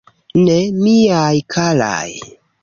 Ne, miaj karaj.